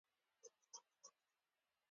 هېواد د رحمت پرښتې راجلبوي.